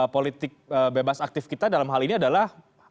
politik bebas aktif kita dalam hal ini adalah